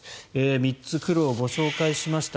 ３つ苦労をご紹介しました。